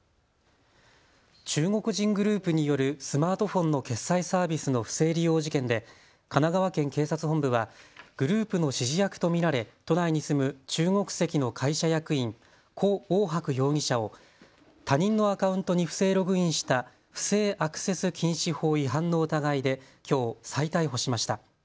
中国人グループによるスマートフォンの決済サービスの不正利用事件で神奈川県警察本部はグループの指示役と見られ都内に住む中国籍の会社役員、胡奥博容疑者を他人のアカウントに不正ログインした不正アクセス禁止法違反の疑いできょう再逮捕しました。